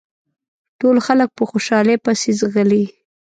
ټول خلک په خوشحالۍ پسې ځغلي.